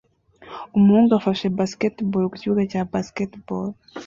Umuhungu afashe basketball ku kibuga cya basketball